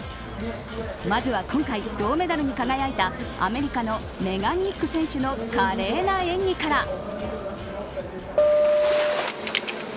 まずは今回、銅メダルに輝いたアメリカのメガン・ニック選手の華麗な演技から。